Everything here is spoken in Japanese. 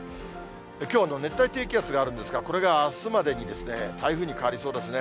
きょう、熱帯低気圧があるんですが、これがあすまでに台風に変わりそうですね。